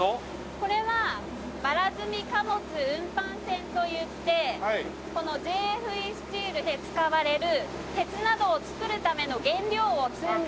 これはばら積み貨物運搬船といってこのＪＦＥスチールで使われる鉄などを作るための原料を積んで。